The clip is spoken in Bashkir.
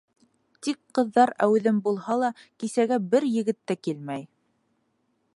Тик ҡыҙҙар әүҙем булһа ла, кисәгә бер егет тә килмәй.